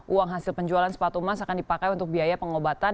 uang hasil penjualan sepatu emas akan dipakai untuk biaya pengobatan